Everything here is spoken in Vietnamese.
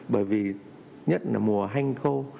bởi vì nhất là mùa hanh khâu